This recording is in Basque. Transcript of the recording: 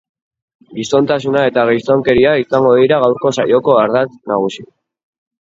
Gizontasuna eta gizonkeria izango dira gaurko saioko ardatz nagusi.